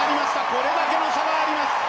これだけの差があります。